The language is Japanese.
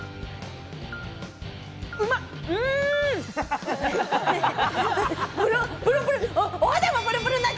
うまっ！